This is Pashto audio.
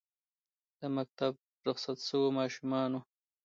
له مکتبه رخصت سویو ماشومانو